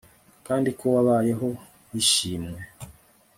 kandi ko wabayeho yishimwe